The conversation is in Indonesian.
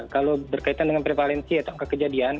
kalau berkaitan dengan prevalensi atau angka kejadian